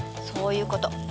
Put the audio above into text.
そういうこと。